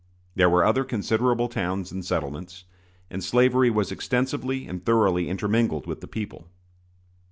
There were other considerable towns and settlements, and slavery was extensively and thoroughly intermingled with the people.